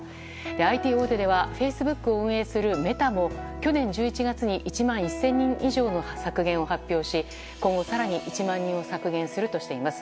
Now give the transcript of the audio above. ＩＴ大手ではフェイスブックを運営するメタも去年１１月に１万１０００人以上の削減を発表し今後、更に１万人を削減するとしています。